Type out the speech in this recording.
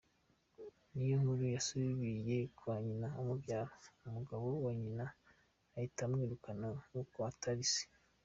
Niyonkuru yasubiye kwa nyina umubyara, umugabo wa nyina ahita amwirukana kuko atari se.